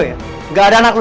bukan urusan lo